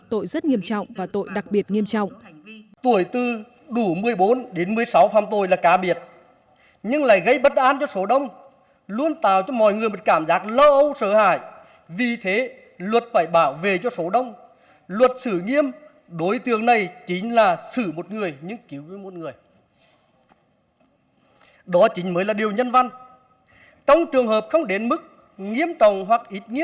tội nghiêm trọng tội rất nghiêm trọng và tội đặc biệt nghiêm trọng